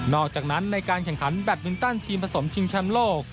อกจากนั้นในการแข่งขันแบตมินตันทีมผสมชิงแชมป์โลก